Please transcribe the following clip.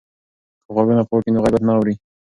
که غوږونه پاک وي نو غیبت نه اوري.